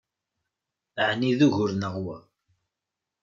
Ɛni d ugur-nneɣ wa?